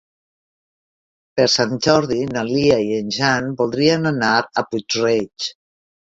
Per Sant Jordi na Lia i en Jan voldrien anar a Puig-reig.